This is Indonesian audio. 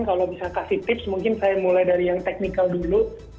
kalau bisa kasih tips mungkin saya mulai dari yang technical dulu